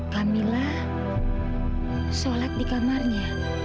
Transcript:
kamilah sholat di kamarnya